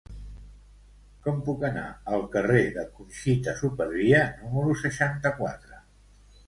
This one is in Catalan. Com puc anar al carrer de Conxita Supervia número seixanta-quatre?